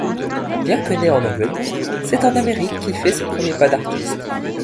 Bien que né en Angleterre, c'est en Amérique qu'il fait ses premiers pas d'artiste.